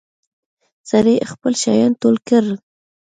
سړي خپل شيان ټول کړل.